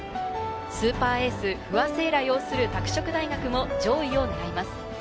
スーパーエース・不破聖衣来擁する拓殖大学も上位をねらいます。